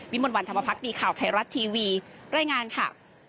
วิมวันวันธรรมพักษณีย์ข่าวไทยรัตน์ทีวีรายงานค่ะ